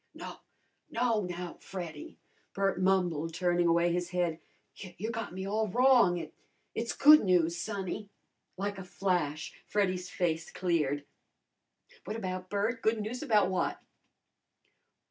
"No, no, now, Freddy," Bert mumbled, turning away his head. "You got me all wrong. It it's good news, sonny." Like a flash Freddy's face cleared. "What about, Bert? Good news about what?"